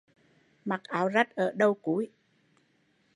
Mặc áo rách ở đầu cúi